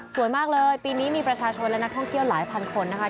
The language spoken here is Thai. มากเลยปีนี้มีประชาชนและนักท่องเที่ยวหลายพันคนนะคะ